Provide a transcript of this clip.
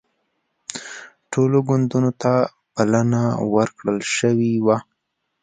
ټولو ګوندونو ته بلنه ورکړل شوې وه